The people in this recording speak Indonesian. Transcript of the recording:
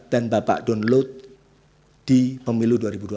dan bapak download di pemilu dua ribu dua puluh empat